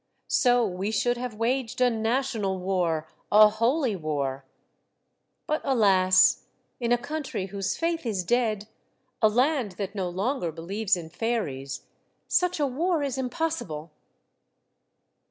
So we should have waged a national war, a holy war. But alas ! in a country whose faith is dead, a land that no longer believes in fairies, such a war is impossible."